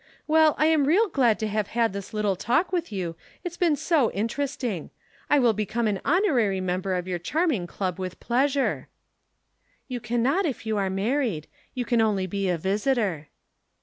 Well, I am real glad to have had this little talk with you, it's been so interesting. I will become an Honorary Member of your charming Club with pleasure." "You cannot if you are married. You can only be a visitor."